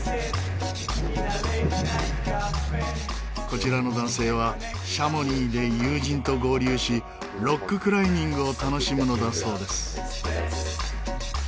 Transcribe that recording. こちらの男性はシャモニーで友人と合流しロッククライミングを楽しむのだそうです。